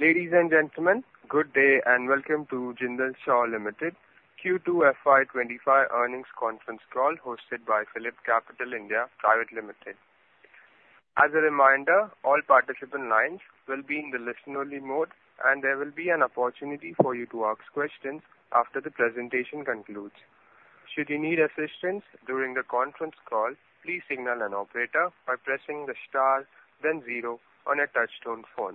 Ladies and gentlemen, good day, and welcome to Jindal Saw Limited Q2 FY25 earnings conference call, hosted by PhillipCapital (India) Private Limited. As a reminder, all participant lines will be in the listen-only mode, and there will be an opportunity for you to ask questions after the presentation concludes. Should you need assistance during the conference call, please signal an operator by pressing the star then zero on your touchtone phone.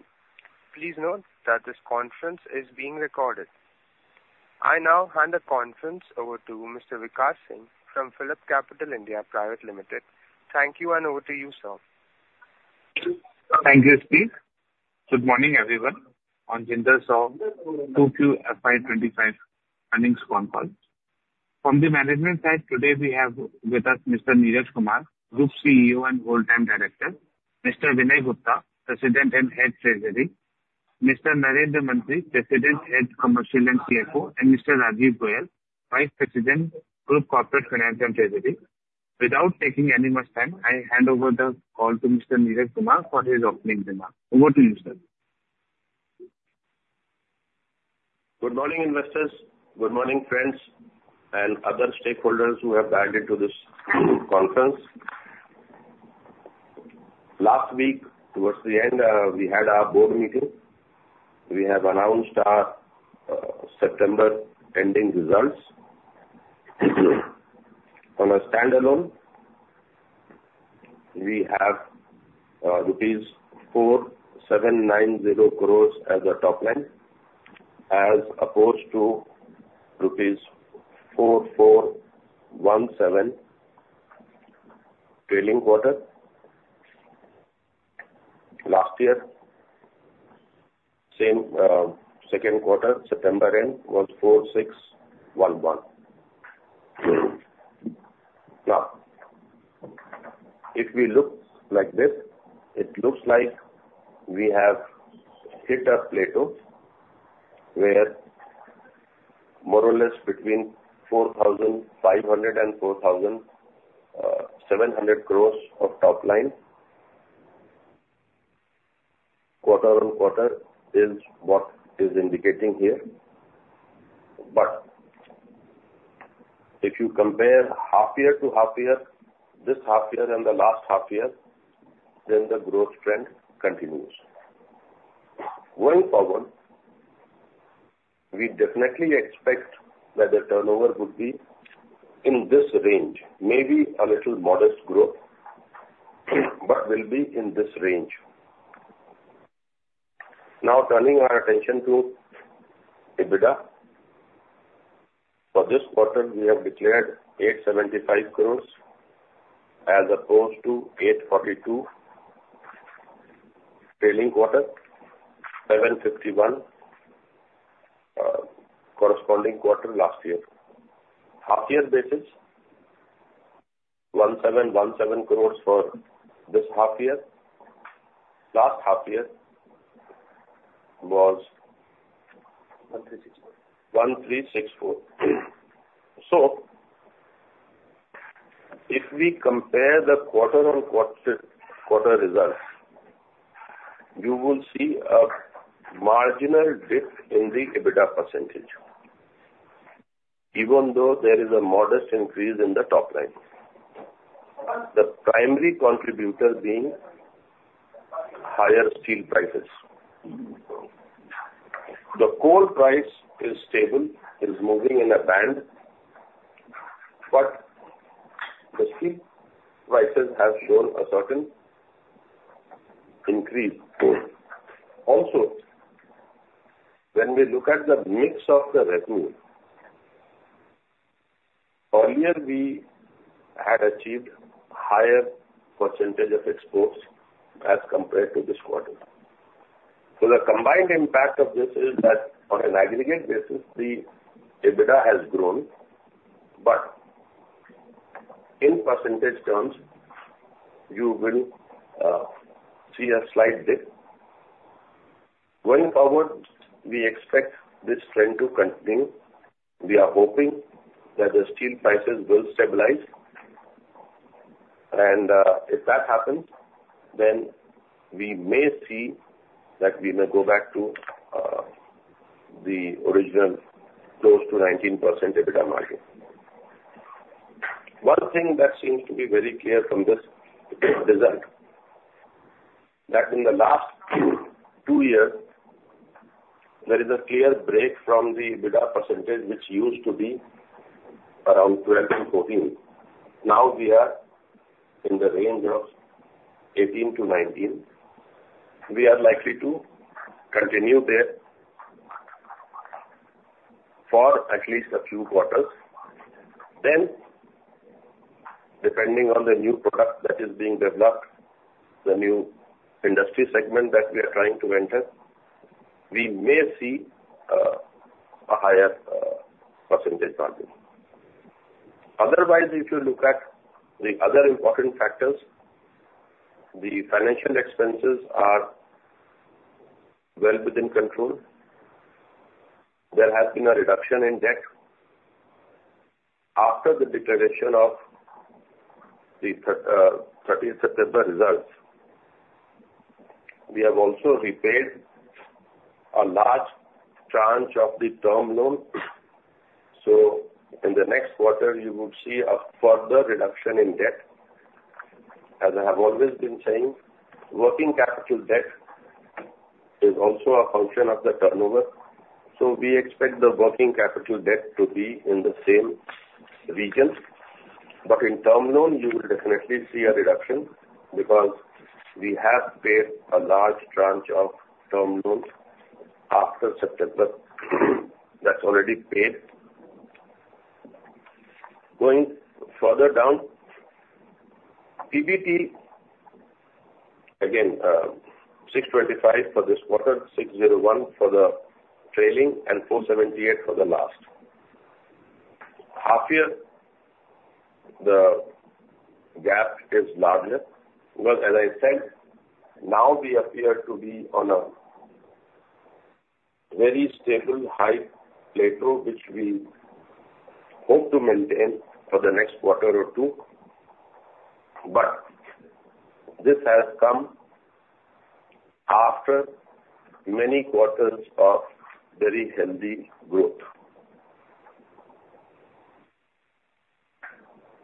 Please note that this conference is being recorded. I now hand the conference over to Mr. Vikash Singh from PhillipCapital (India) Private Limited. Thank you, and over to you, sir. Thank you, Steve. Good morning, everyone, on Jindal Saw 2Q FY25 con call. From the management side, today we have with us Mr. Neeraj Kumar, Group CEO and Whole Time Director, Mr. Vinay Gupta, President and Head, Treasury, Mr. Narendra Mantri, President, Head, Commercial, and CFO, and Mr. Rajiv Goyal, Vice President, Group Corporate Finance and Treasury. Without taking any much time, I hand over the call to Mr. Neeraj Kumar for his opening remark. Over to you, sir. Good morning, investors. Good morning, friends and other stakeholders who have dialed into this conference. Last week, towards the end, we had our board meeting. We have announced our September ending results. On a standalone, we have rupees 4,790 crores as a top line, as opposed to rupees 4,417 trailing quarter. Last year, same second quarter, September end, was 4,611. Now, if we look like this, it looks like we have hit a plateau where more or less between 4,500 and 4,700 crores of top line. Quarter on quarter is what is indicating here. But if you compare half year to half year, this half year and the last half year, then the growth trend continues. Going forward, we definitely expect that the turnover would be in this range, maybe a little modest growth, but will be in this range. Now, turning our attention to EBITDA. For this quarter, we have declared 875 crores, as opposed to 842 trailing quarter, 751 corresponding quarter last year. Half year basis, 1,717 crores for this half year. Last half year was- One three six four. One three six four. So if we compare the quarter on quarter, quarter results, you will see a marginal dip in the EBITDA percentage, even though there is a modest increase in the top line. The primary contributor being higher steel prices. The coal price is stable, it is moving in a band, but the steel prices have shown a certain increase more. Also, when we look at the mix of the revenue, earlier, we had achieved higher percentage of exports as compared to this quarter. So the combined impact of this is that on an aggregate basis, the EBITDA has grown, but in percentage terms, you will see a slight dip. Going forward, we expect this trend to continue. We are hoping that the steel prices will stabilize, and, if that happens, then we may see that we may go back to, the original, close to 19% EBITDA margin. One thing that seems to be very clear from this result, that in the last two years, there is a clear break from the EBITDA percentage, which used to be around 12% and 14%. Now, we are in the range of 18%-19%. We are likely to continue there for at least a few quarters. Then, depending on the new product that is being developed, the new industry segment that we are trying to enter, we may see, a higher, % margin. Otherwise, if you look at the other important factors, the financial expenses are well within control. There has been a reduction in debt. After the declaration of the thirty September results, we have also repaid a large tranche of the term loan. So in the next quarter, you would see a further reduction in debt. As I have always been saying, working capital debt is also a function of the turnover, so we expect the working capital debt to be in the same region. But in term loan, you will definitely see a reduction because we have paid a large tranche of term loans after September. That's already paid. Going further down, PBT, again, 625 for this quarter, 601 for the trailing, and 478 for the last. Half year, the gap is larger, because as I said, now we appear to be on a very stable, high plateau, which we hope to maintain for the next quarter or two, but this has come after many quarters of very healthy growth.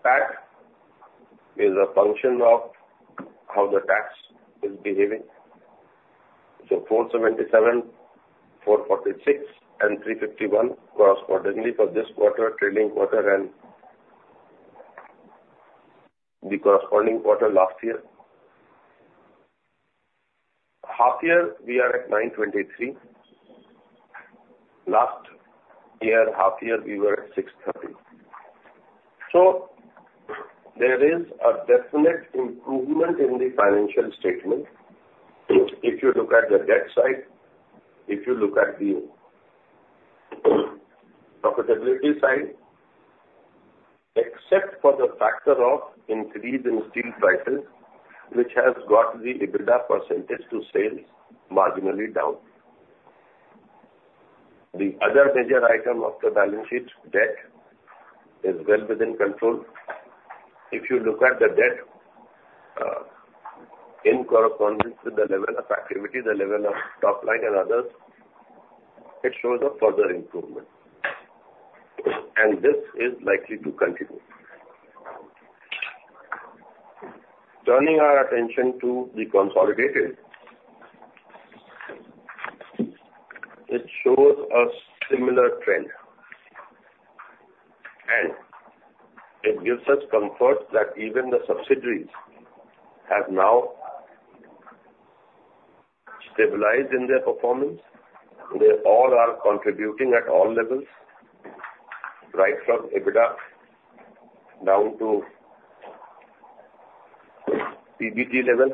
PAT is a function of how the tax is behaving. So 477, 446 and 351 correspondingly for this quarter, trailing quarter and the corresponding quarter last year. Half year, we are at 923. Last year, half year, we were at 630. So there is a definite improvement in the financial statement. If you look at the debt side, if you look at the profitability side, except for the factor of increase in steel prices, which has got the EBITDA percentage to sales marginally down. The other major item of the balance sheet, debt, is well within control. If you look at the debt in correspondence with the level of activity, the level of top line and others, it shows a further improvement, and this is likely to continue. Turning our attention to the consolidated, it shows a similar trend, and it gives us comfort that even the subsidiaries have now stabilized in their performance. They all are contributing at all levels, right from EBITDA down to PBT level.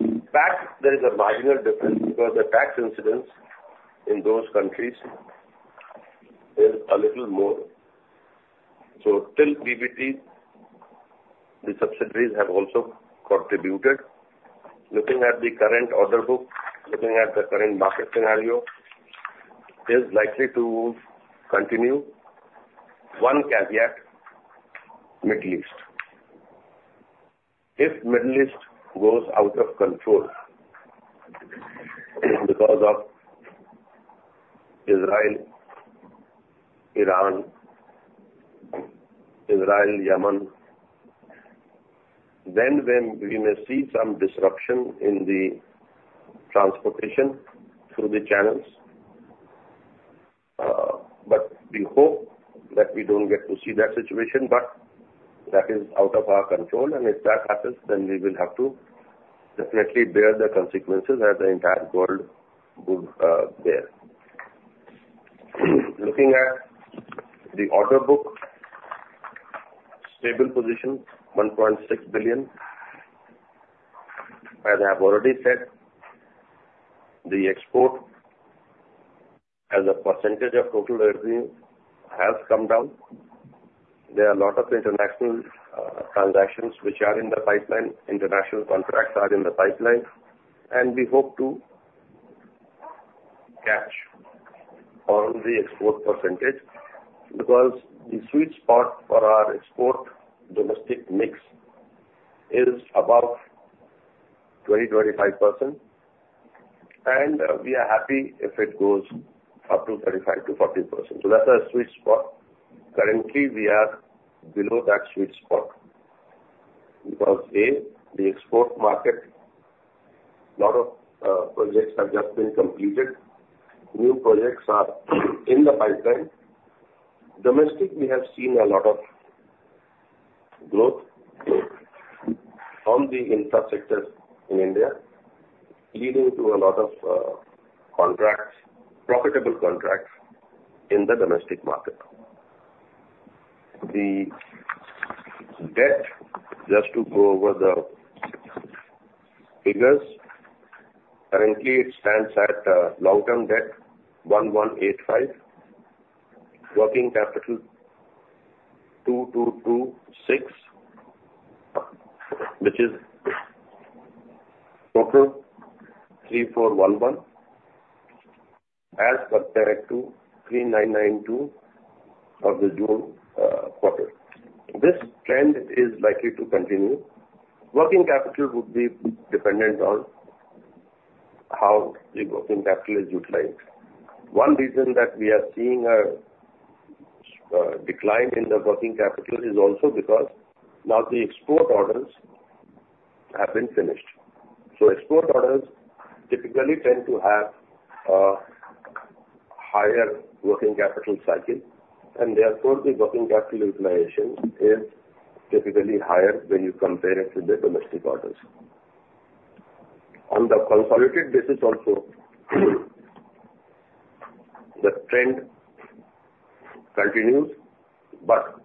In fact, there is a marginal difference because the tax incidence in those countries is a little more. So till PBT, the subsidiaries have also contributed. Looking at the current order book, looking at the current market scenario, is likely to continue. One caveat, Middle East. If Middle East goes out of control because of Israel, Iran, Israel, Yemen, then we may see some disruption in the transportation through the channels. But we hope that we don't get to see that situation, but that is out of our control. And if that happens, then we will have to definitely bear the consequences, as the entire world would, bear. Looking at the order book, stable position, $1.6 billion. As I have already said, the export as a percentage of total earnings has come down. There are a lot of international transactions which are in the pipeline. International contracts are in the pipeline, and we hope to catch on the export percentage because the sweet spot for our export domestic mix is above 20-25%, and we are happy if it goes up to 35-40%. So that's our sweet spot. Currently, we are below that sweet spot because, A, the export market, a lot of projects have just been completed. New projects are in the pipeline. Domestic, we have seen a lot of growth from the infra sectors in India, leading to a lot of contracts, profitable contracts, in the domestic market. The debt, just to go over the figures, currently it stands at long-term debt 1,185, working capital 2,226, which is total 3,411, as compared to 3,992 of the June quarter. This trend is likely to continue. Working capital would be dependent on how the working capital is utilized. One reason that we are seeing a decline in the working capital is also because now the export orders have been finished. So export orders typically tend to have a higher working capital cycle, and therefore, the working capital utilization is typically higher when you compare it to the domestic orders. On the consolidated basis also, the trend continues, but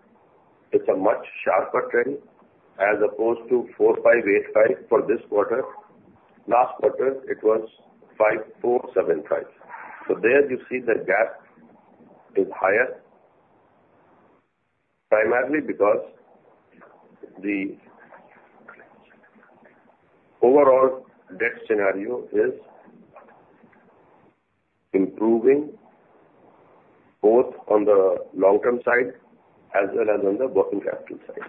it's a much sharper trend as opposed to four five eight five for this quarter. Last quarter, it was five four seven five. So there you see the gap is higher, primarily because the overall debt scenario is improving both on the long-term side as well as on the working capital side.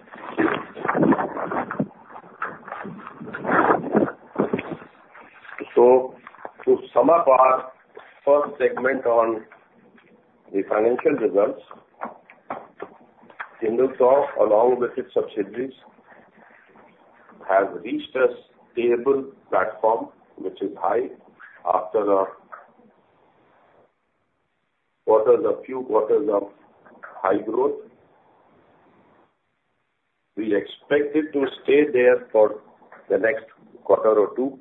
So to sum up our first segment on the financial results, Jindal Saw, along with its subsidiaries, has reached a stable platform, which is high after a few quarters of high growth. We expect it to stay there for the next quarter or two.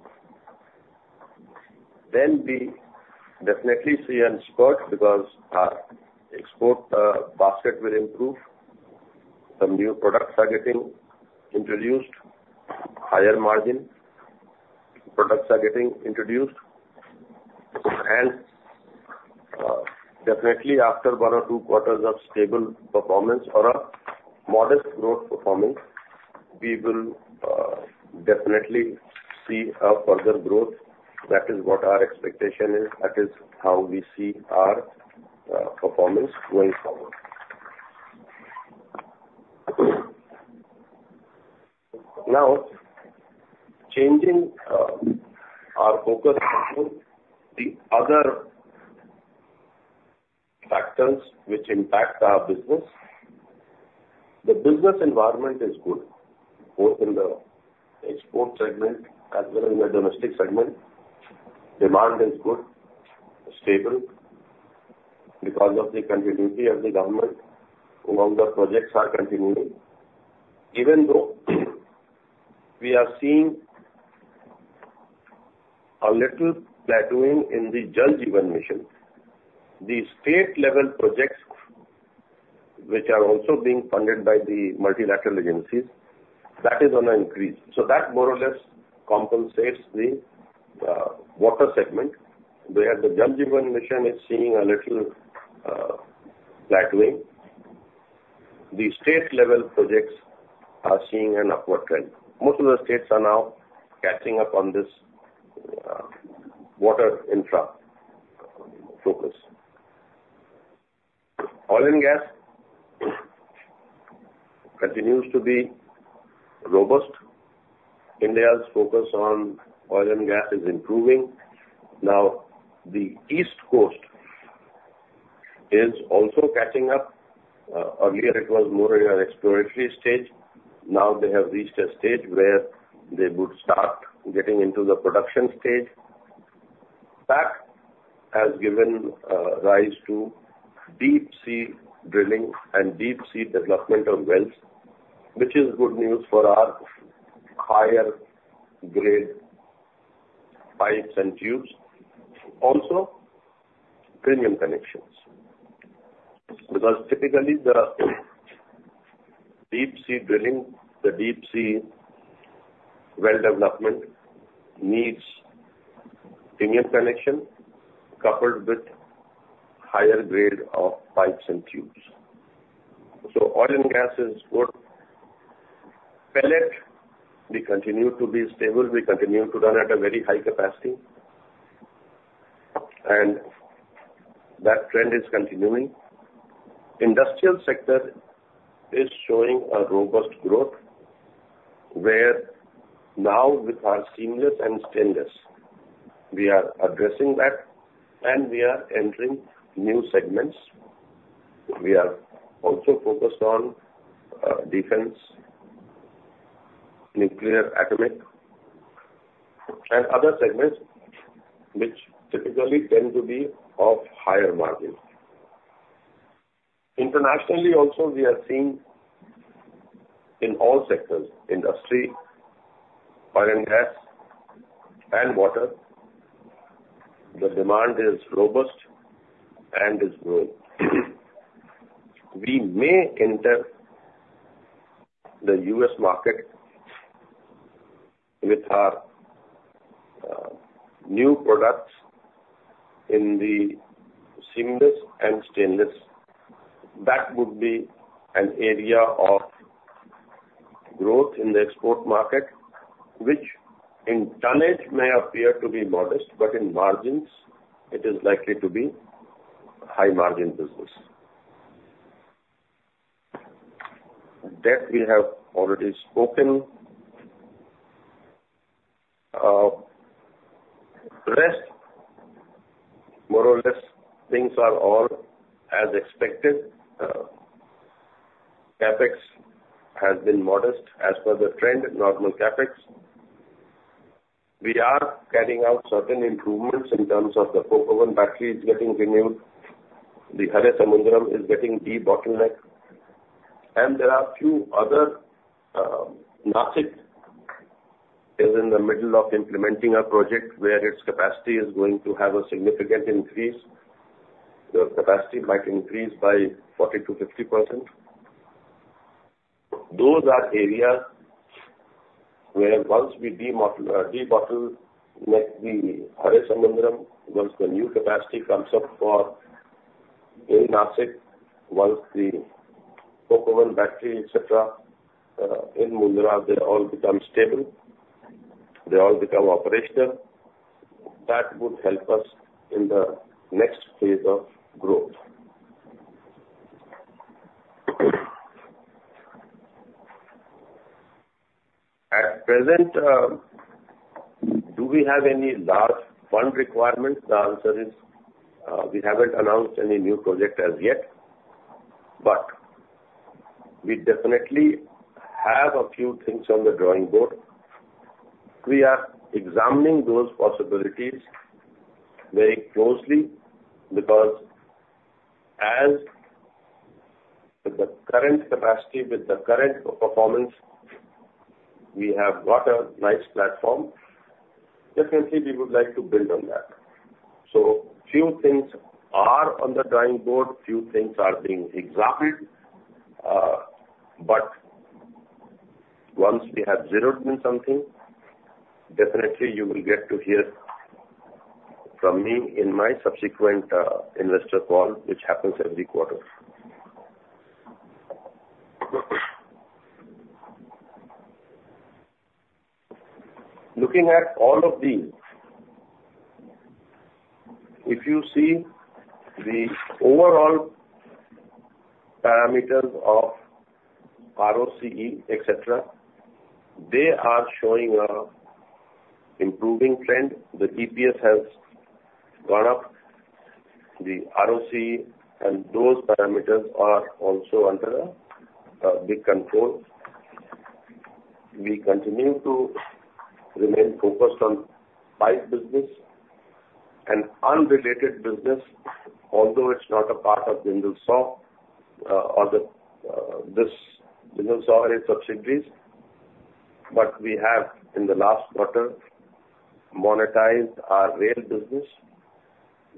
Then we definitely see a spurt because our export basket will improve. Some new products are getting introduced, higher margin products are getting introduced. And, definitely after one or two quarters of stable performance or a modest growth performance, we will definitely see a further growth. That is what our expectation is. That is how we see our performance going forward. Now, changing our focus on the other factors which impact our business. The business environment is good, both in the export segment as well as in the domestic segment. Demand is good, stable, because of the continuity of the government, all the projects are continuing. Even though we are seeing a little plateauing in the Jal Jeevan Mission, the state-level projects, which are also being funded by the multilateral agencies, that is on an increase. So that more or less compensates the water segment, where the Jal Jeevan Mission is seeing a little plateauing. The state-level projects are seeing an upward trend. Most of the states are now catching up on this water infra focus. Oil and gas continues to be robust. India's focus on oil and gas is improving. Now, the East Coast is also catching up. Earlier it was more in an exploratory stage. Now they have reached a stage where they would start getting into the production stage. That has given rise to deep-sea drilling and deep-sea development of wells, which is good news for our higher grade pipes and tubes, also premium connections. Because typically, the deep-sea drilling, the deep-sea well development needs premium connection coupled with higher grade of pipes and tubes. So oil and gas is good. Pellets, we continue to be stable. We continue to run at a very high capacity, and that trend is continuing. Industrial sector is showing a robust growth, where now with our seamless and stainless, we are addressing that, and we are entering new segments. We are also focused on defense, nuclear, atomic, and other segments, which typically tend to be of higher margins. Internationally also, we are seeing in all sectors: industry, oil and gas, and water, the demand is robust and is growing. We may enter the U.S. market with our new products in the seamless and stainless, that would be an area of growth in the export market, which in tonnage may appear to be modest, but in margins it is likely to be high-margin business. Debt we have already spoken. Rest, more or less, things are all as expected. CapEx has been modest as per the trend, normal CapEx. We are carrying out certain improvements in terms of the coke oven battery is getting renewed, the Haresamudram is getting debottlenecked, and there are a few other, Nashik is in the middle of implementing a project where its capacity is going to have a significant increase. The capacity might increase by 40% to 50%. Those are areas where once we debottleneck the Haresamudram, once the new capacity comes up for in Nashik, once the coke oven battery, et cetera, in Mundra, they all become stable, they all become operational, that would help us in the next phase of growth. At present, do we have any large fund requirements? The answer is, we haven't announced any new project as yet, but we definitely have a few things on the drawing board. We are examining those possibilities very closely because as with the current capacity, with the current performance, we have got a nice platform. Definitely, we would like to build on that. So few things are on the drawing board, few things are being examined, but once we have zeroed in something, definitely you will get to hear from me in my subsequent investor call, which happens every quarter. Looking at all of these, if you see the overall parameters of ROCE, et cetera, they are showing a improving trend. The EPS has gone up, the ROCE and those parameters are also under a big control. We continue to remain focused on pipe business and unrelated business, although it's not a part of Jindal Saw, or the, this Jindal Saw subsidiaries, but we have, in the last quarter, monetized our rail business,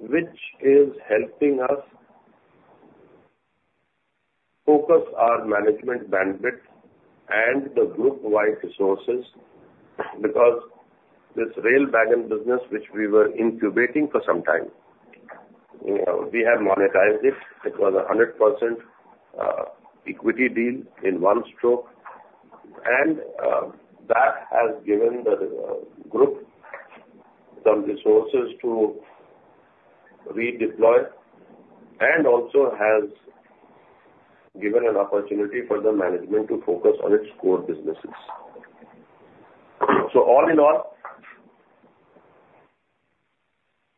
which is helping us focus our management bandwidth and the group-wide resources. Because this rail wagon business, which we were incubating for some time, you know, we have monetized it. It was a 100% equity deal in one stroke, and that has given the group some resources to redeploy and also has given an opportunity for the management to focus on its core businesses. So all in all,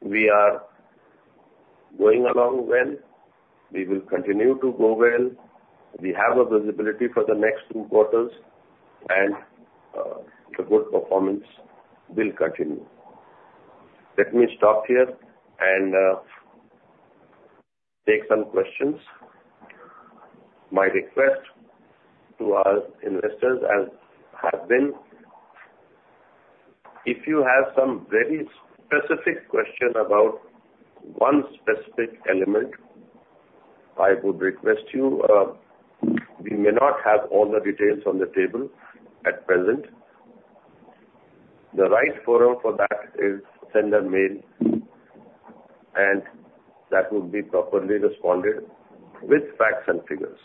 we are going along well. We will continue to go well. We have a visibility for the next two quarters, and the good performance will continue. Let me stop here and take some questions. My request to our investors as have been, if you have some very specific question about one specific element, I would request you, we may not have all the details on the table at present. The right forum for that is send a mail, and that would be properly responded with facts and figures.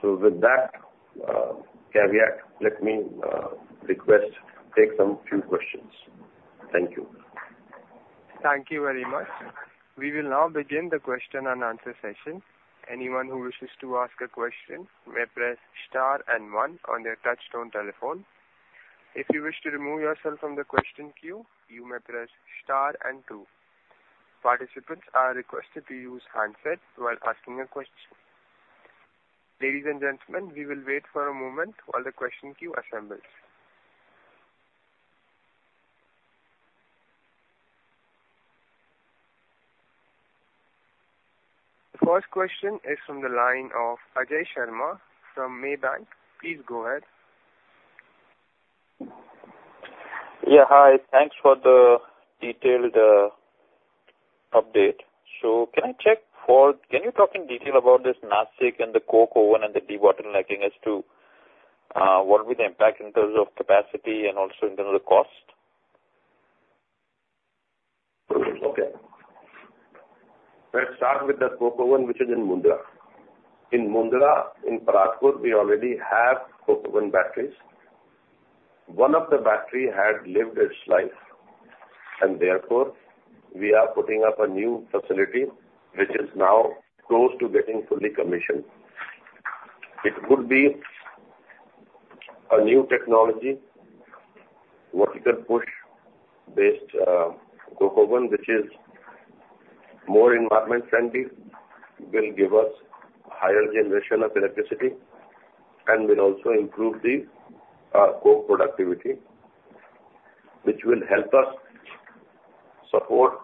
So with that, caveat, let me, request, take some few questions. Thank you. Thank you very much. We will now begin the question and answer session. Anyone who wishes to ask a question, may press star and one on their touchtone telephone. If you wish to remove yourself from the question queue, you may press star and two. Participants are requested to use handset while asking a question. Ladies and gentlemen, we will wait for a moment while the question queue assembles. The first question is from the line of Ajay Sharma from Maybank. Please go ahead. Yeah, hi. Thanks for the detailed update. So can I check for, can you talk in detail about this Nashik and the coke oven and the dewatering lagging as to, what will be the impact in terms of capacity and also in terms of cost? Okay. Let's start with the coke oven, which is in Mundra. In Mundra, in Paradip, we already have coke oven batteries. One of the battery had lived its life, and therefore, we are putting up a new facility, which is now close to getting fully commissioned. It would be a new technology, vertical push-based coke oven, which is more environment friendly, will give us higher generation of electricity, and will also improve the coke productivity, which will help us support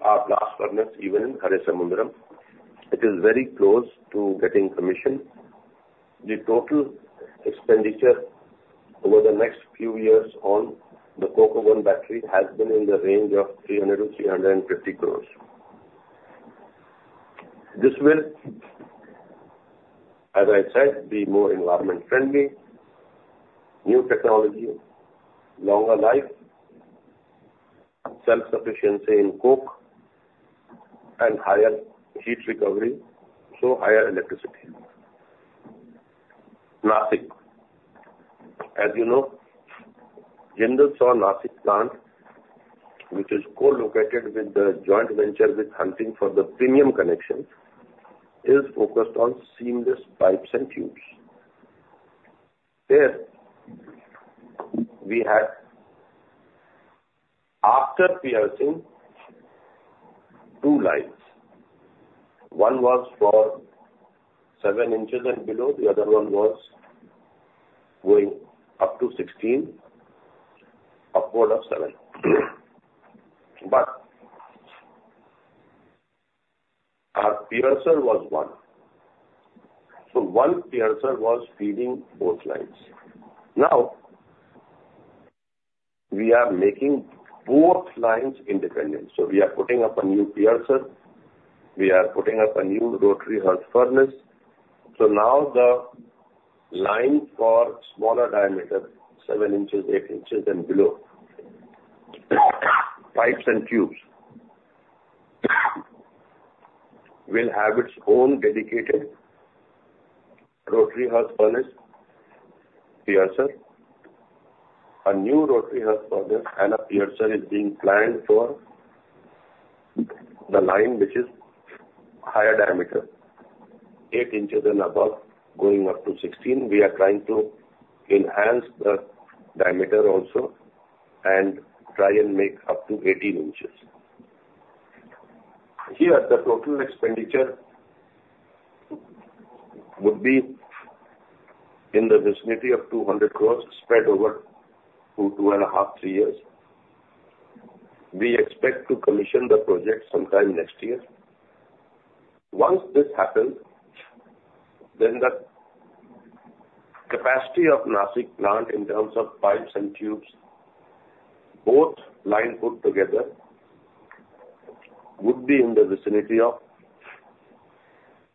our blast furnace even in Haresamudram. It is very close to getting commissioned. The total expenditure over the next few years on the coke oven battery has been in the range of 300-350 crores. This will, as I said, be more environment friendly, new technology, longer life, self-sufficiency in coke, and higher heat recovery, so higher electricity. Nashik. As you know, Jindal Saw Nashik plant, which is co-located with the joint venture with Hunting for the premium connections, is focused on seamless pipes and tubes. There we had, after piercing, two lines, one was for seven inches and below, the other one was going up to 16, a core of seven. But our piercer was one. So one piercer was feeding both lines. Now, we are making both lines independent, so we are putting up a new piercer. We are putting up a new rotary hearth furnace. So now the line for smaller diameter, seven inches, eight inches and below, pipes and tubes, will have its own dedicated rotary hearth furnace piercer. A new rotary hearth furnace and a piercer is being planned for the line, which is higher diameter, eight inches and above, going up to 16. We are trying to enhance the diameter also and try and make up to 18 inches. Here, the total expenditure would be in the vicinity of 200 crores, spread over 2, 2.5, 3 years. We expect to commission the project sometime next year. Once this happens, then the capacity of Nashik plant in terms of pipes and tubes, both line put together, would be in the vicinity of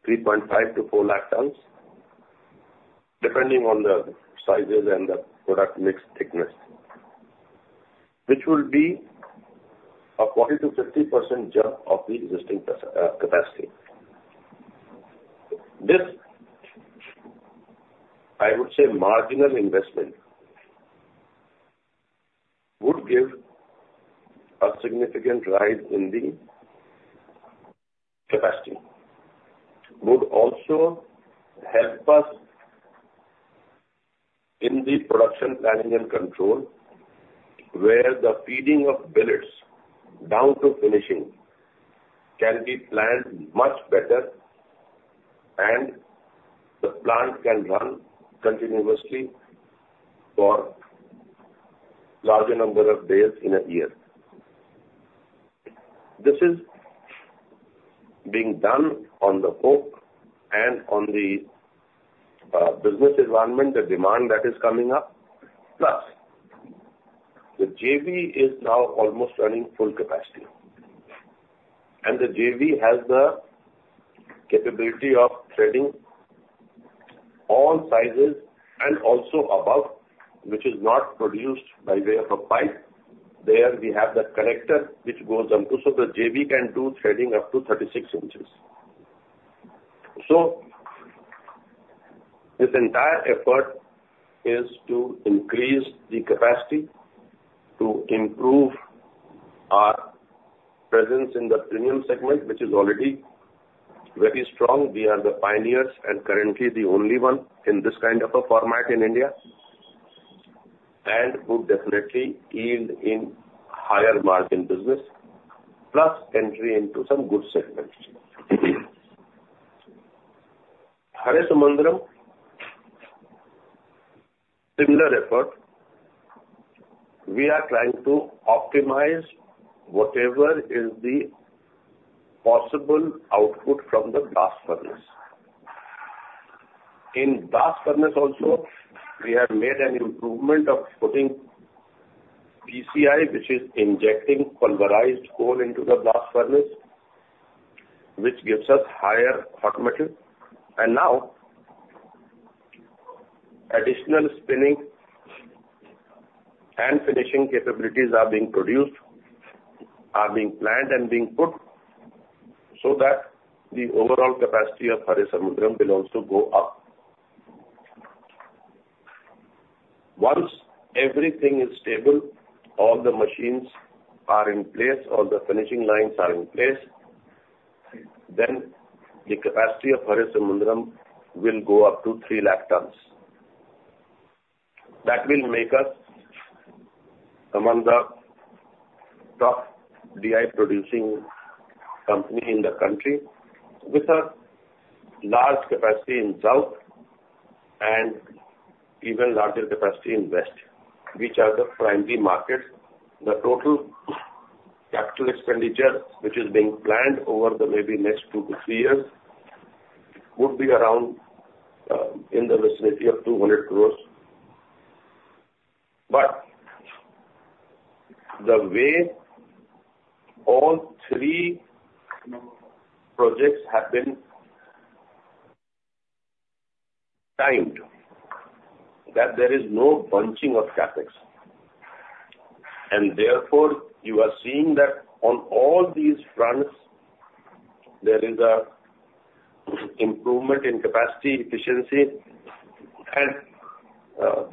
3.5-4 lakh tons, depending on the sizes and the product mix thickness, which will be a 40%-50% jump of the existing capacity. This, I would say, marginal investment would give a significant rise in the capacity, would also help us in the production planning and control, where the feeding of billets down to finishing can be planned much better, and the plant can run continuously for larger number of days in a year. This is being done on the hope and on the business environment, the demand that is coming up. Plus, the JV is now almost running full capacity, and the JV has the capability of threading all sizes and also above, which is not produced by way of a pipe. There we have the connector which goes on to, so the JV can do threading up to thirty-six inches. So this entire effort is to increase the capacity to improve our presence in the premium segment, which is already very strong. We are the pioneers and currently the only one in this kind of a format in India, and would definitely yield in higher margin business, plus entry into some good segments. Haresamudram, similar effort. We are trying to optimize whatever is the possible output from the blast furnace. In blast furnace also, we have made an improvement of putting PCI, which is injecting pulverized coal into the blast furnace, which gives us higher hot metal. And now, additional spinning and finishing capabilities are being produced, are being planned and being put, so that the overall capacity of Haresamudram will also go up. Once everything is stable, all the machines are in place, all the finishing lines are in place, then the capacity of Haresamudram will go up to three lakh tons. That will make us among the top DI producing company in the country, with a large capacity in south and even larger capacity in west, which are the primary markets. The total capital expenditure, which is being planned over the maybe next two to three years, would be around in the vicinity of 200 crore. But the way all three projects have been timed, that there is no bunching of CapEx. And therefore, you are seeing that on all these fronts, there is a improvement in capacity, efficiency, and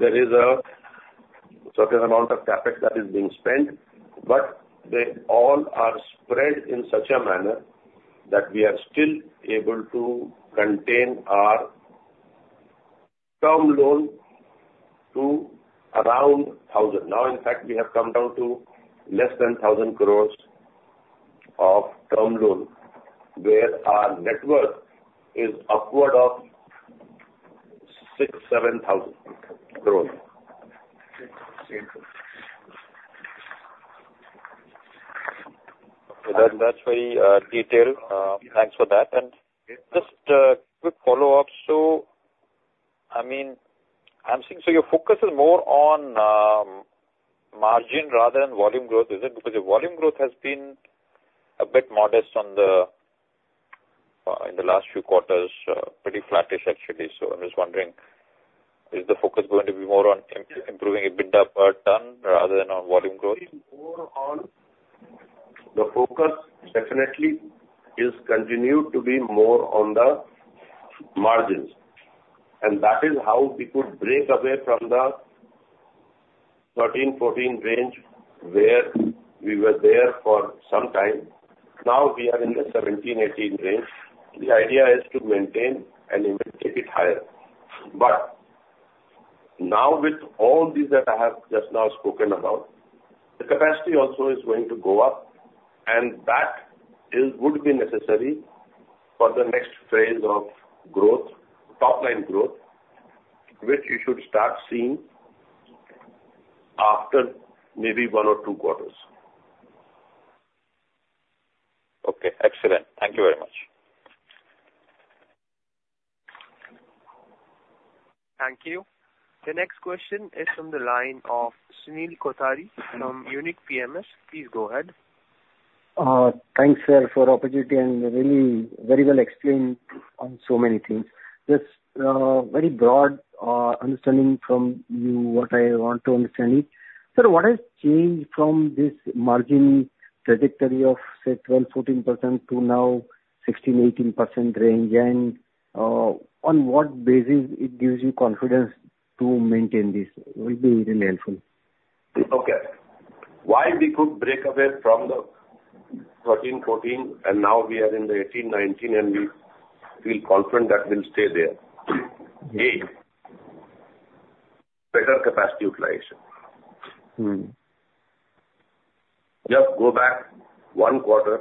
there is a certain amount of CapEx that is being spent, but they all are spread in such a manner that we are still able to contain our term loan to around 1,000 crore. Now, in fact, we have come down to less than 1,000 crores of term loan, where our net worth is upward of INR 6,000-INR 7,000 crores. So that, that's very detailed. Thanks for that. And just a quick follow-up: So, I mean, I'm seeing so your focus is more on margin rather than volume growth, is it? Because your volume growth has been a bit modest in the last few quarters, pretty flattish, actually. So I'm just wondering, is the focus going to be more on improving EBITDA per ton rather than on volume growth? The focus definitely is continued to be more on the margins, and that is how we could break away from the 13-14 range, where we were there for some time. Now we are in the 17-18 range. The idea is to maintain and even take it higher. But now with all these that I have just now spoken about, the capacity also is going to go up, and that is would be necessary for the next phase of growth, top line growth, which you should start seeing after maybe one or two quarters. Okay, excellent. Thank you very much. Thank you. The next question is from the line of Sunil Kothari from Unique PMS. Please go ahead. Thanks, sir, for opportunity and really very well explained on so many things. Just, very broad, understanding from you what I want to understand is, sir, what has changed from this margin trajectory of, say, 12%-14% to now 16%-18% range? And, on what basis it gives you confidence to maintain this, will be really helpful. Okay. Why we could break away from the thirteen, fourteen, and now we are in the eighteen, nineteen, and we feel confident that we'll stay there? A, better capacity utilization. Just go back one quarter,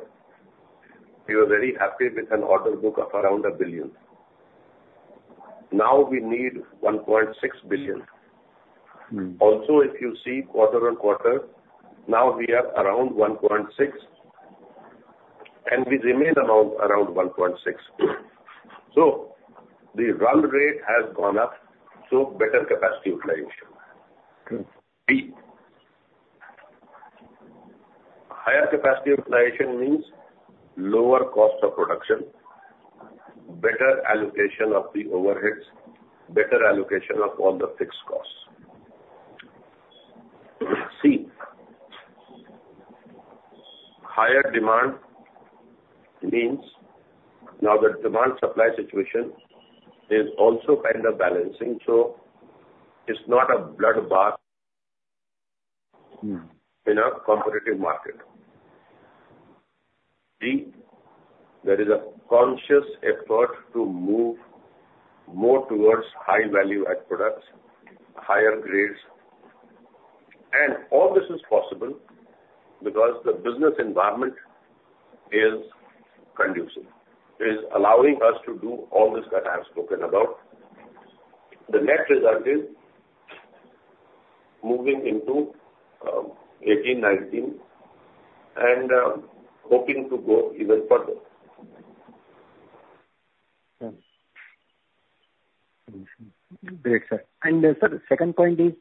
we were very happy with an order book of around $1 billion. Now we need $1.6 billion. Also, if you see quarter on quarter, now we are around one point six, and we remain around, around one point six. So the run rate has gone up, so better capacity utilization. Good. B, higher capacity utilization means lower cost of production, better allocation of the overheads, better allocation of all the fixed costs. C, higher demand means now the demand-supply situation is also kind of balancing, so it's not a bloodbath- In a competitive market. Indeed, there is a conscious effort to move more towards high value-add products, higher grades. And all this is possible because the business environment is conducive, is allowing us to do all this that I have spoken about. The net result is moving into 18, 19, and hoping to go even further. Great, sir. And, sir, the second point is,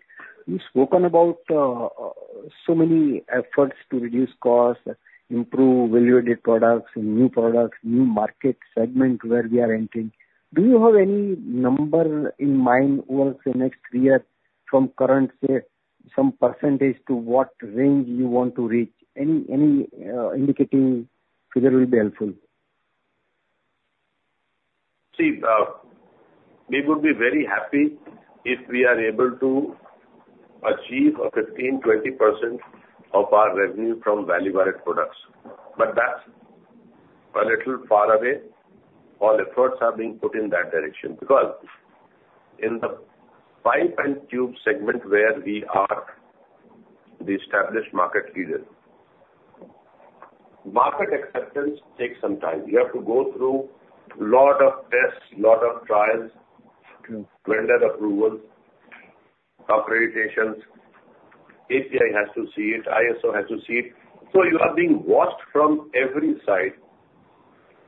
you've spoken about so many efforts to reduce costs, improve value-added products and new products, new market segment where we are entering. Do you have any number in mind over the next three years from current, say, some percentage to what range you want to reach? Any indicating figure will be helpful. See, we would be very happy if we are able to achieve a 15%-20% of our revenue from value-added products. But that's a little far away. All efforts are being put in that direction because in the pipe and tube segment where we are the established market leader, market acceptance takes some time. You have to go through lot of tests, lot of trials- True. Vendor approvals, accreditations. API has to see it, ISO has to see it. So you are being watched from every side.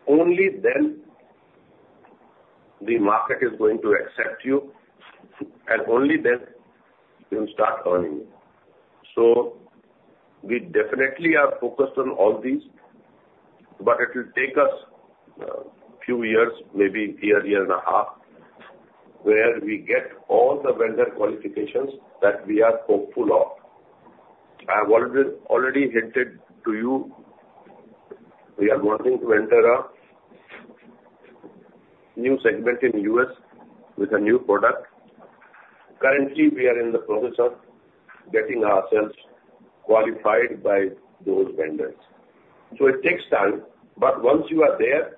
Only then the market is going to accept you, and only then you'll start earning. So we definitely are focused on all these, but it will take us few years, maybe year, year and a half, where we get all the vendor qualifications that we are hopeful of. I have already hinted to you, we are wanting to enter a new segment in U.S. with a new product. Currently, we are in the process of getting ourselves qualified by those vendors. So it takes time, but once you are there,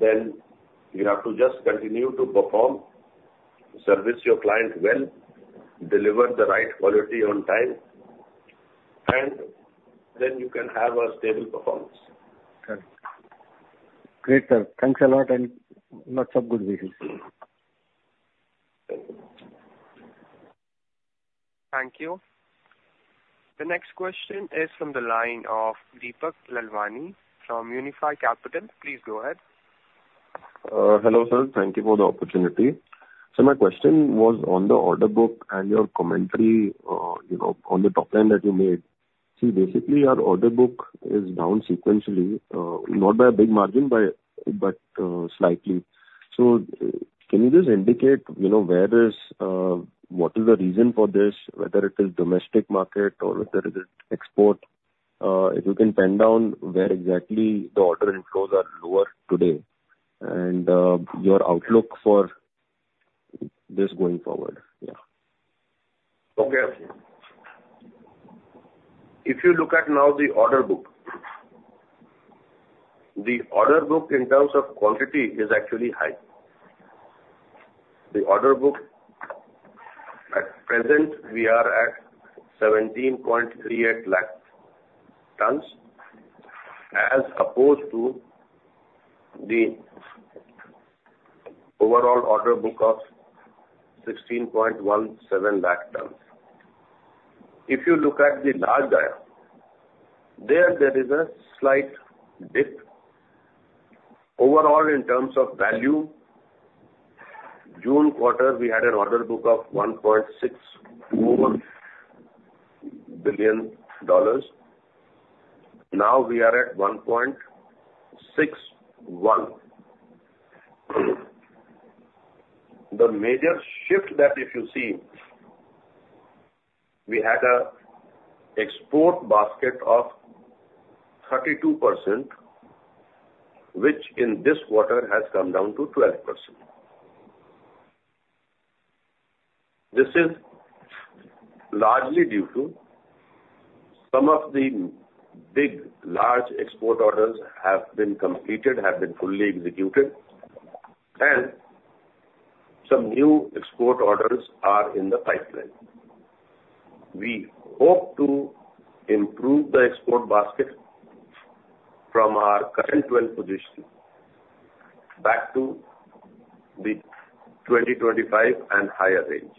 then you have to just continue to perform, service your client well, deliver the right quality on time, and then you can have a stable performance. Sure. Great, sir. Thanks a lot and lots of good wishes. Thank you. Thank you. The next question is from the line of Deepak Lalwani from Unifi Capital. Please go ahead. Hello, sir. Thank you for the opportunity. So my question was on the order book and your commentary, you know, on the top end that you made. See, basically, your order book is down sequentially, not by a big margin, but slightly. So can you just indicate, you know, where is what is the reason for this, whether it is domestic market or whether it is export? If you can pin down where exactly the order inflows are lower today and your outlook for this going forward? Yeah. Okay. If you look at now the order book, the order book in terms of quantity is actually high. The order book, at present, we are at 17.38 lakh tons, as opposed to the overall order book of 16.17 lakh tons. If you look at the large dia, there, there is a slight dip. Overall, in terms of value, June quarter, we had an order book of $1.62 billion. Now we are at $1.61. The major shift that if you see, we had an export basket of 32%, which in this quarter has come down to 12%. This is largely due to some of the big, large export orders have been completed, have been fully executed, and some new export orders are in the pipeline. We hope to improve the export basket from our current 12 position back to the 20, 25, and higher range.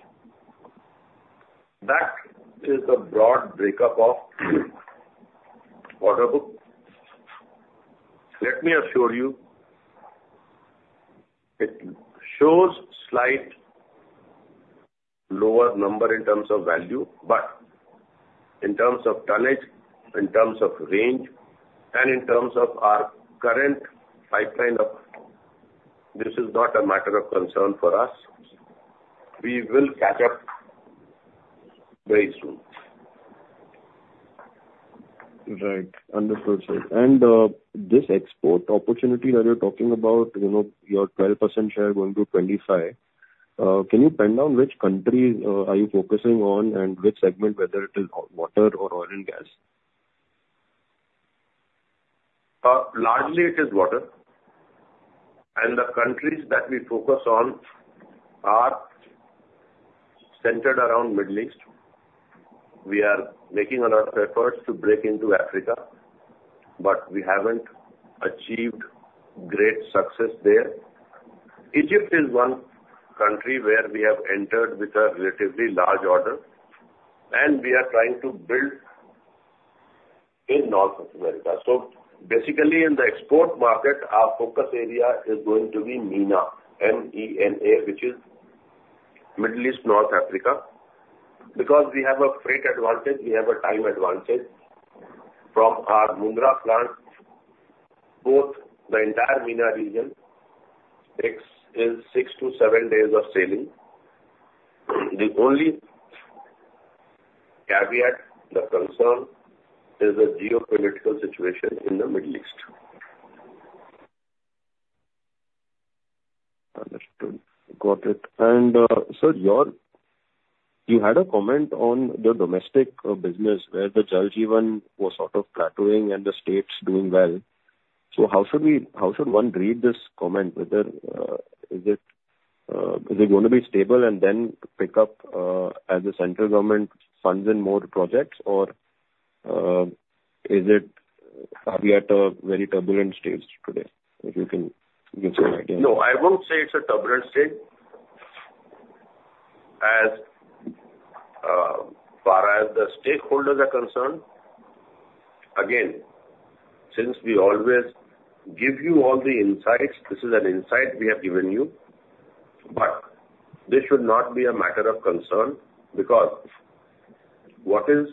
That is the broad breakdown of order book. Let me assure you, it shows slightly lower number in terms of value, but in terms of tonnage, in terms of range, and in terms of our current pipeline of, this is not a matter of concern for us. We will catch up very soon. Right. Understood, sir. And this export opportunity that you're talking about, you know, your 12% share going to 25%, can you pin down which country are you focusing on and which segment, whether it is water or oil and gas? Largely it is water, and the countries that we focus on are centered around Middle East. We are making a lot of efforts to break into Africa, but we haven't achieved great success there. Egypt is one country where we have entered with a relatively large order, and we are trying to build in North America. So basically, in the export market, our focus area is going to be MENA, M-E-N-A, which is Middle East, North Africa. Because we have a freight advantage, we have a time advantage from our Mundra plant. Both the entire MENA region takes, is six to seven days of sailing. The only caveat, the concern, is the geopolitical situation in the Middle East. Understood. Got it. And, sir, you had a comment on the domestic business, where the Jal Jeevan was sort of plateauing and the states doing well. So how should one read this comment, whether is it gonna be stable and then pick up as the central government funds in more projects? Or, are we at a very turbulent stage today? If you can give some idea. No, I won't say it's a turbulent state. As far as the stakeholders are concerned, again, since we always give you all the insights, this is an insight we have given you. But this should not be a matter of concern, because what is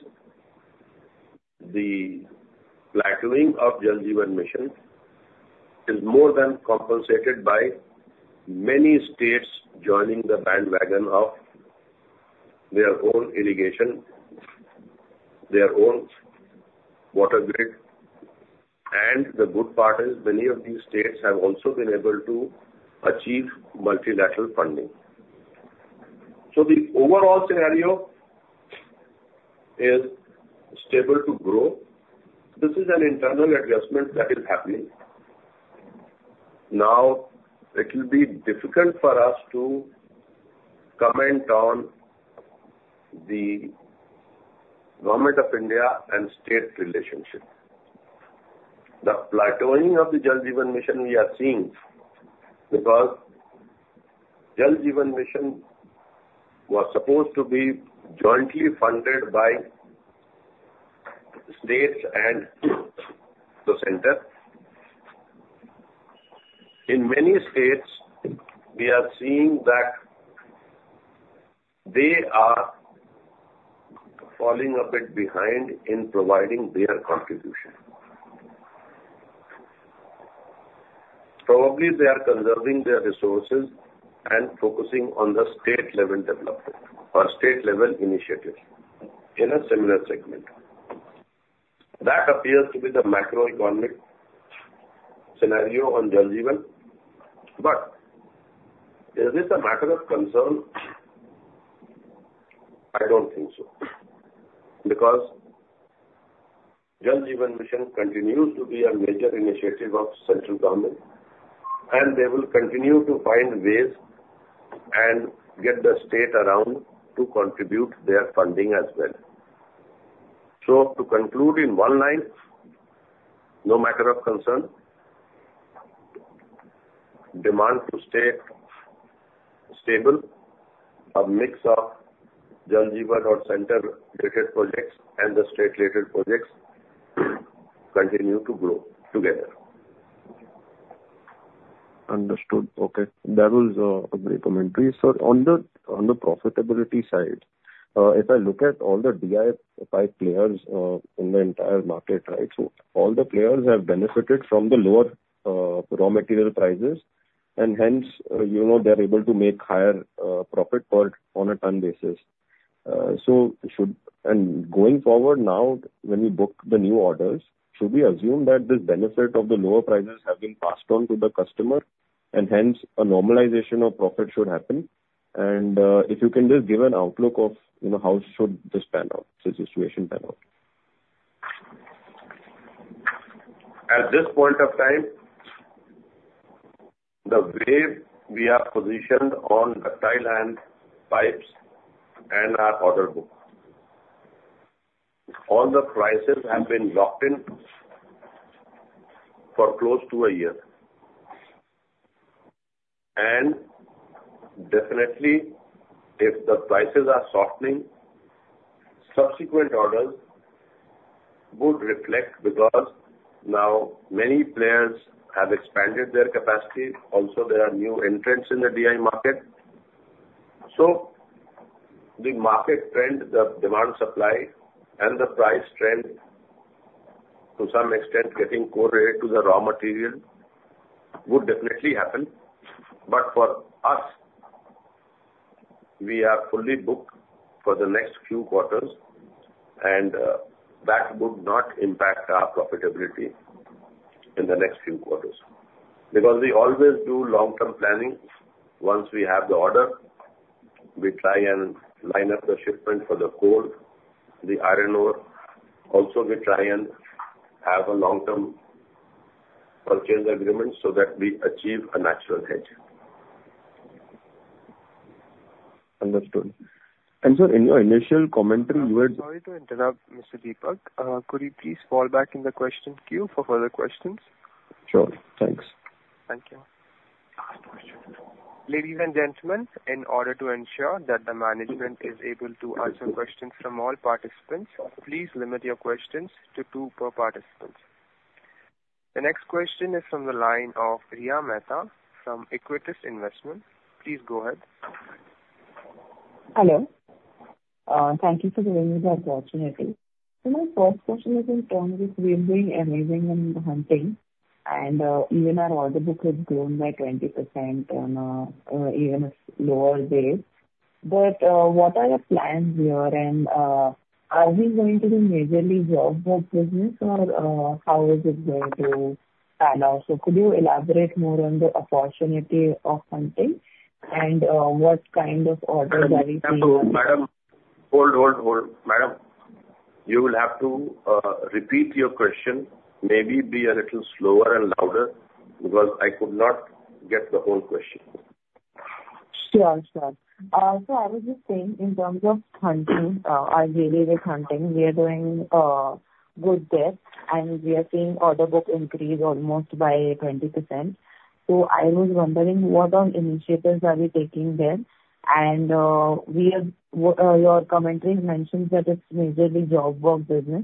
the plateauing of Jal Jeevan Mission is more than compensated by many states joining the bandwagon of their own irrigation, their own water grid. And the good part is many of these states have also been able to achieve multilateral funding. So the overall scenario is stable to grow. This is an internal adjustment that is happening. Now, it will be difficult for us to comment on the Government of India and state relationship. The plateauing of the Jal Jeevan Mission we are seeing, because Jal Jeevan Mission was supposed to be jointly funded by states and the center. In many states, we are seeing that they are falling a bit behind in providing their contribution. Probably, they are conserving their resources and focusing on the state-level development or state-level initiatives in a similar segment. That appears to be the macroeconomic scenario on Jal Jeevan. But is this a matter of concern? I don't think so. Because Jal Jeevan Mission continues to be a major initiative of central government, and they will continue to find ways and get the state around to contribute their funding as well. So to conclude in one line: no matter of concern, demand to stay stable, a mix of Jal Jeevan or center-related projects and the state-related projects continue to grow together. Understood. Okay. That was a great commentary. Sir, on the profitability side, if I look at all the DI pipe players in the entire market, right, so all the players have benefited from the lower raw material prices, and hence, you know, they're able to make higher profit per ton on a ton basis, and going forward now, when we book the new orders, should we assume that this benefit of the lower prices have been passed on to the customer, and hence, a normalization of profit should happen? If you can just give an outlook of, you know, how should this situation pan out? At this point of time, the way we are positioned on the DI and pipes and our order book, all the prices have been locked in for close to a year, and definitely, if the prices are softening, subsequent orders would reflect because now many players have expanded their capacity. Also, there are new entrants in the DI market. So the market trend, the demand, supply and the price trend, to some extent, getting correlated to the raw material would definitely happen, but for us, we are fully booked for the next few quarters, and that would not impact our profitability in the next few quarters. Because we always do long-term planning. Once we have the order, we try and line up the shipment for the coal, the iron ore. Also, we try and have a long-term purchase agreement so that we achieve a natural hedge… Understood. In your initial commentary, you were. Sorry to interrupt, Mr. Deepak. Could you please fall back in the question queue for further questions? Sure. Thanks. Thank you. Ladies and gentlemen, in order to ensure that the management is able to answer questions from all participants, please limit your questions to two per participant. The next question is from the line of Riya Mehta from Aequitas Investment. Please go ahead. Hello. Thank you for giving me the opportunity. So my first question is in terms of we're doing amazing in Hunting, and even our order book has grown by 20% on an even lower base. But what are your plans here? And are we going to do majorly job work business or how is it going to pan out? So could you elaborate more on the opportunity of Hunting and what kind of order are we seeing? Madam, hold, hold, hold. Madam, you will have to repeat your question. Maybe be a little slower and louder, because I could not get the whole question. Sure, sure. So I was just saying in terms of Hunting, our journey with Hunting, we are doing good there, and we are seeing order book increase almost by 20%. So I was wondering, what initiatives are we taking there? And, your commentary mentions that it's majorly job work business.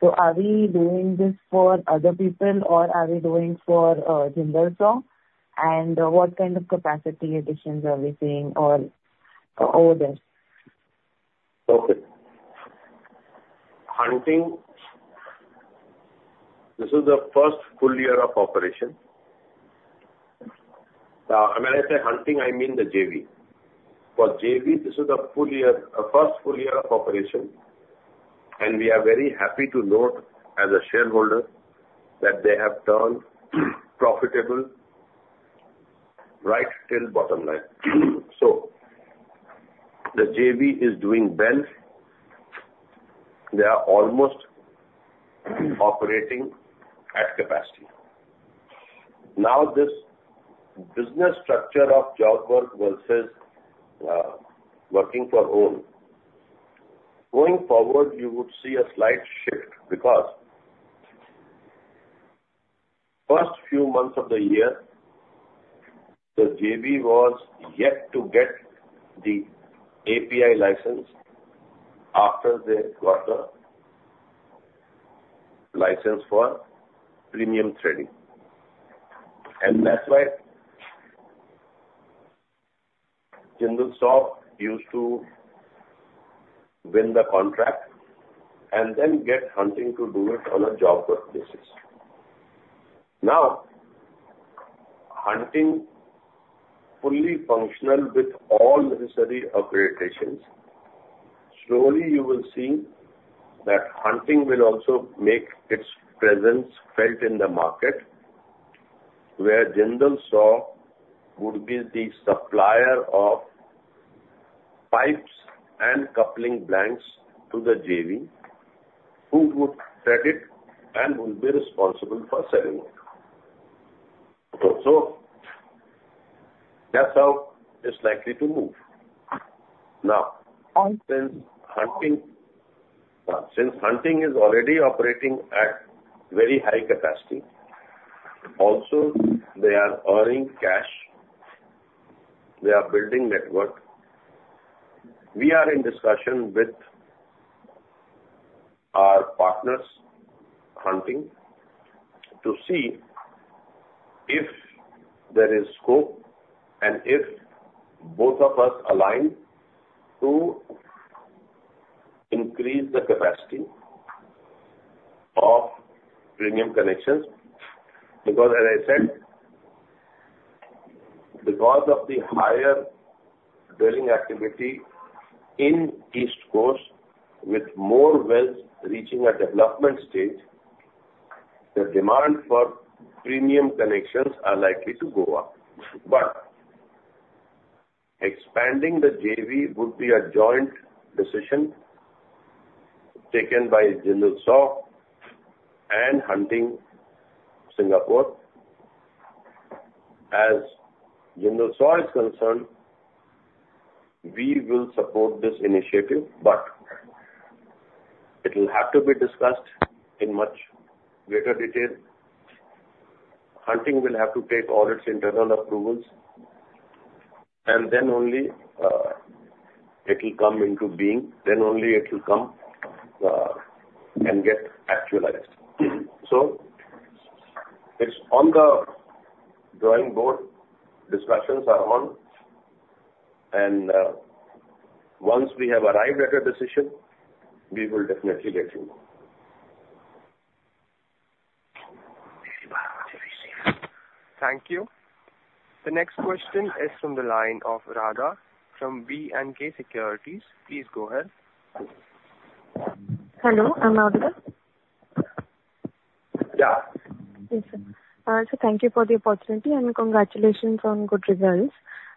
So are we doing this for other people, or are we doing for Jindal Saw? And what kind of capacity additions are we seeing on over there? Okay. Hunting, this is the first full year of operation, and when I say Hunting, I mean the JV. For JV, this is a full year, first full year of operation, and we are very happy to note, as a shareholder, that they have turned profitable right till bottom line, so the JV is doing well. They are almost operating at capacity. Now, this business structure of job work versus working for own. Going forward, you would see a slight shift because first few months of the year, the JV was yet to get the API license after they got the license for premium threading, and that's why Jindal Saw used to win the contract and then get Hunting to do it on a job work basis. Now, Hunting, fully functional with all necessary upgradations. Slowly you will see that Hunting will also make its presence felt in the market, where Jindal Saw would be the supplier of pipes and coupling blanks to the JV, who would thread it and will be responsible for selling it. So that's how it's likely to move. Now- On since- Hunting, since Hunting is already operating at very high capacity, also they are earning cash, they are building network. We are in discussion with our partners, Hunting, to see if there is scope and if both of us align to increase the capacity of premium connections. Because as I said, because of the higher drilling activity in East Coast, with more wells reaching a development stage, the demand for premium connections are likely to go up. But expanding the JV would be a joint decision taken by Jindal Saw and Hunting Singapore. As Jindal Saw is concerned, we will support this initiative, but it will have to be discussed in much greater detail. Hunting will have to take all its internal approvals, and then only it will come into being and get actualized. It's on the drawing board. Discussions are on, and once we have arrived at a decision, we will definitely let you know. Thank you. The next question is from the line of Radha from B&K Securities. Please go ahead. Hello, am I audible? Yeah. Yes, sir. So thank you for the opportunity, and congratulations on good results.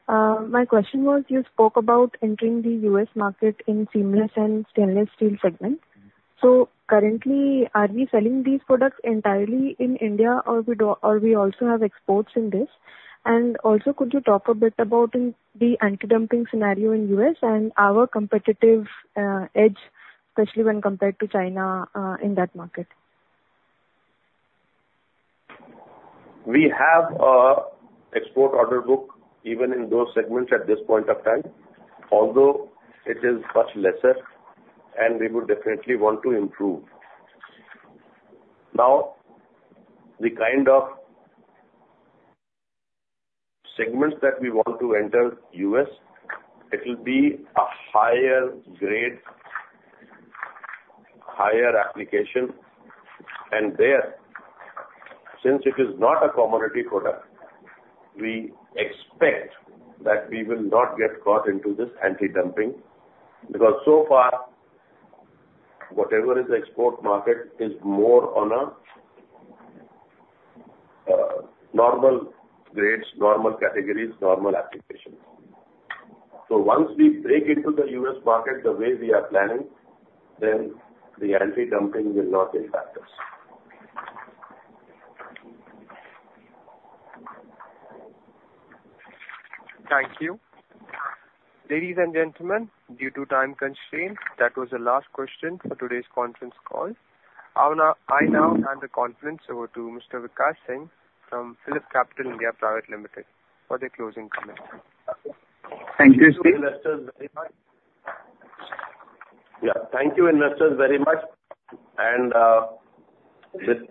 My question was: You spoke about entering the U.S. market in seamless and stainless steel segment. So currently, are we selling these products entirely in India, or we also have exports in this? And also, could you talk a bit about in the anti-dumping scenario in U.S. and our competitive edge, especially when compared to China in that market? We have an export order book even in those segments at this point of time, although it is much lesser, and we would definitely want to improve. Now, the kind of segments that we want to enter US, it'll be a higher grade, higher application, and there, since it is not a commodity product, we expect that we will not get caught into this antidumping, because so far, whatever is the export market is more on a, normal grades, normal categories, normal applications. So once we break into the U.S. market the way we are planning, then the antidumping will not impact us. Thank you. Ladies and gentlemen, due to time constraints, that was the last question for today's conference call. I now hand the conference over to Mr. Vikash Singh from PhillipCapital (India) Private Limited for the closing comments. Thank you. Investors very much. Yeah. Thank you, investors, very much, and, with-